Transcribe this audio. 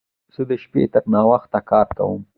زه د شپې تر ناوخت کار کوم.